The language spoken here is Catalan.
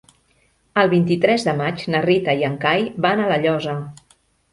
El vint-i-tres de maig na Rita i en Cai van a La Llosa.